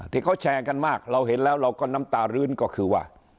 ที่เขาแชร์กันมากเราเห็นแล้วเราก็น้ำตารื้นก็คือว่า